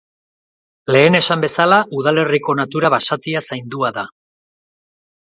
Lehen esan bezala, udalerriko natura basatia zaindua da.